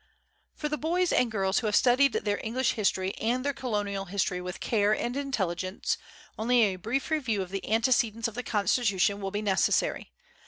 For the boys and girls who have studied their English history and their Colonial history with care and intelligence, only a brief review of the antecedents of the Constitution will be necessary.